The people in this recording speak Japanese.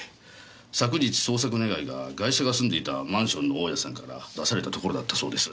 昨日捜索願がガイシャが住んでいたマンションの大家さんから出されたところだったそうです。